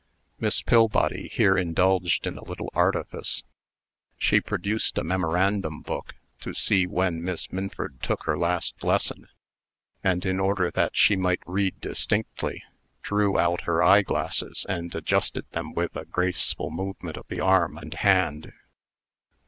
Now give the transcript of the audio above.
Miss Pillbody here indulged in a little artifice. She produced a memorandum book, to see when Miss Minford took her last lesson; and, in order that she might read distinctly, drew out her eyeglasses, and adjusted them with a graceful movement of the arm and hand.